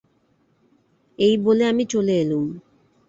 এই বলে আমি চলে এলুম।